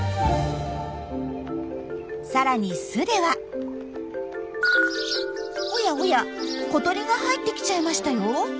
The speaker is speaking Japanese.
さらに巣ではおやおや小鳥が入ってきちゃいましたよ。